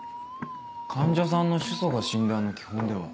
患者さんの主訴が診断の基本では？